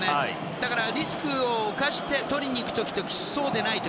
だから、リスクを冒してとりにいく時とそうでない時。